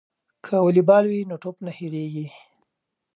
که والیبال وي نو ټوپ نه هیریږي.